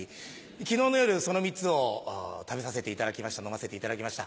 昨日の夜その３つを食べさせていただきました飲ませていただきました。